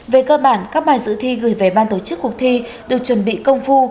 về cơ bản các bài dự thi gửi về ban tổ chức cuộc thi được chuẩn bị công phu